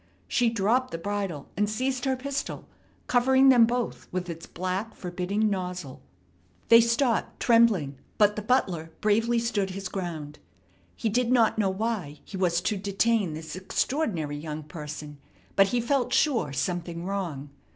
She dropped the bridle, and seized her pistol, covering them both with its black, forbidding nozzle. They stopped, trembling, but the butler bravely stood his ground. He did not know why he was to detain this extraordinary young person, but he felt sure something was wrong.